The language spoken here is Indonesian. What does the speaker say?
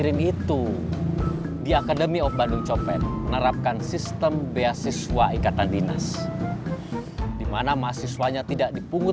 risip resri di sini aku